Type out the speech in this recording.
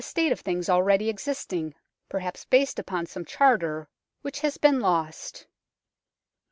LONDON STONE 133 of things already existing perhaps based upon some charter which has been lost.